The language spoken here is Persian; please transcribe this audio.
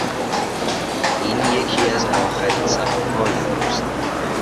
این یکی از آخرین صفحههای او است.